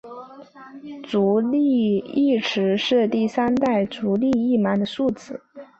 足利义持是第三代将军足利义满的庶子。